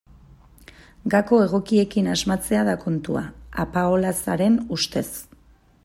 Gako egokiekin asmatzea da kontua, Apaolazaren ustez.